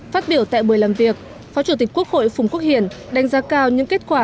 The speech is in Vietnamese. phát biểu tại buổi làm việc phó chủ tịch quốc hội phùng quốc hiển đánh giá cao những kết quả